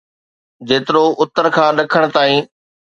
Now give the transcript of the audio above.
جيترو اتر کان ڏکڻ تائين.